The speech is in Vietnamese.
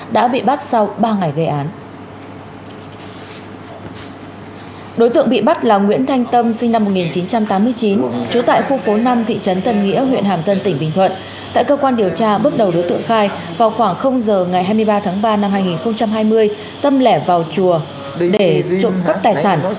tại cơ quan điều tra bước đầu đối tượng khai vào khoảng giờ ngày hai mươi ba tháng ba năm hai nghìn hai mươi tâm lẻ vào chùa để trộm cắp tài sản